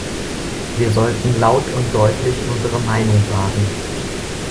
Wir sollten laut und deutlich unsere Meinung sagen.